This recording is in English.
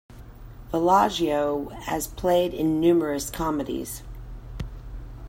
Villaggio has played in numerous comedies.